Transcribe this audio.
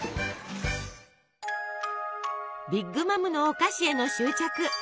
ビッグ・マムのお菓子への執着。